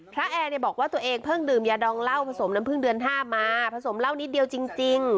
แอร์บอกว่าตัวเองเพิ่งดื่มยาดองเหล้าผสมน้ำพึ่งเดือน๕มาผสมเหล้านิดเดียวจริง